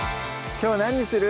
きょう何にする？